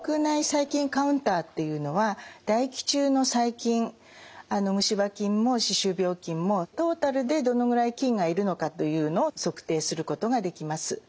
細菌カウンタっていうのは唾液中の細菌虫歯菌も歯周病菌もトータルでどのぐらい菌がいるのかというのを測定することができます。